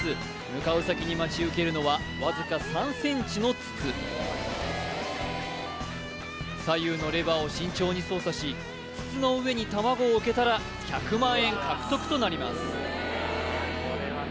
向かう先に待ち受けるのはわずか３ｃｍの筒左右のレバーを慎重に操作し筒の上に卵を置けたら１００万円獲得となります